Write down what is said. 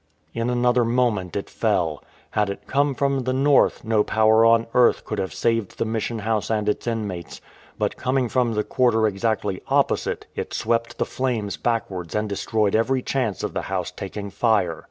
In another moment it fell. Had it come from the north, no power on earth could have saved the Mission House and its inmates ; but coming from the quarter exactly opposite, it swept the flames backwards and destroyed every chance of the house taking fire.